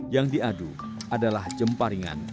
yang diadu adalah jemparingan gaya berat